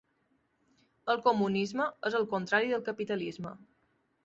El comunisme és el contrari del capitalisme.